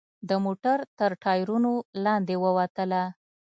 د موټر تر ټایرونو لاندې ووتله.